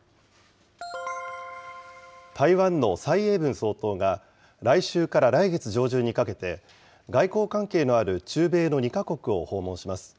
台湾の蔡英文総統が、来週から来月上旬にかけて、外交関係のある中米の２か国を訪問します。